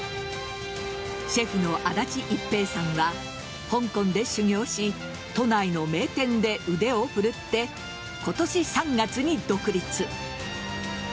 シェフの安達一平さんは香港で修業し都内の名店で腕を振るって今年３月に独立。